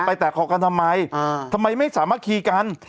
แตกคอกันทำไมทำไมไม่สามารถคีกัน